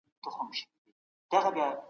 کابینه بهرنی سیاست نه بدلوي.